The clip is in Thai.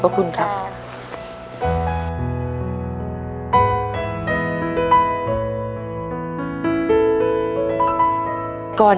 ๑หมื่น